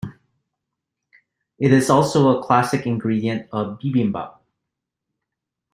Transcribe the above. It is also a classic ingredient of bibimbap.